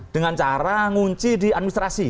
dengan cara ngunci di administrasi